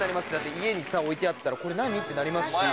家に置いてあったら「これ何？」ってなりますし。